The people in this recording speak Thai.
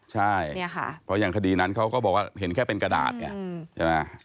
ใช่เพราะอย่างคดีนั้นเขาก็บอกว่าเห็นแค่เป็นกระดาษไงใช่ไหม